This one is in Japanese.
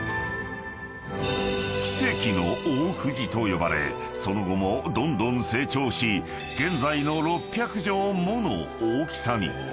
［と呼ばれその後もどんどん成長し現在の６００畳もの大きさに］